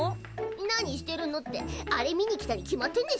何してるのってあれ見に来たに決まってんでしょ。